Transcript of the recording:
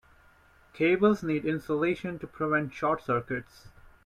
Cables need insulation to prevent short circuits.